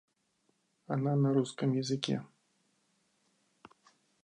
Она на русском языке